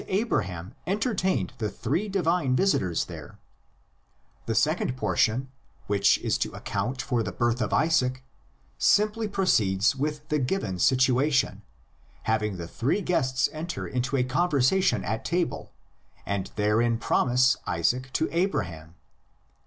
Abraham entertained the three divine visitors there; the second portion, which is to account for the birth of Isaac, simply proceeds with the given situation, having the three guests enter into a conversation at table and therein promise Isaac to Abraham.